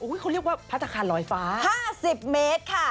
เขาเรียกว่าพัฒนาคารลอยฟ้า๕๐เมตรค่ะ